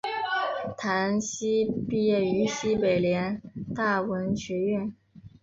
唐祈毕业于西北联大文学院。